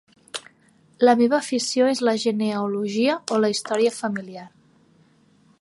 La meva afició és la genealogia o la història familiar.